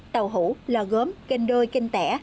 tàu hủ lọ gốm kênh đôi kênh tẻ